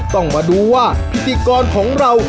ต้องมาดูว่าพิธีกรของเรา